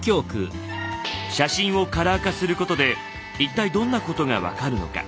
写真をカラー化することで一体どんなことが分かるのか。